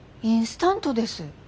インスタントです。